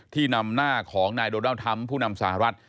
นำหน้าของนายโดนัลด์ทรัมป์ผู้นำสหรัฐ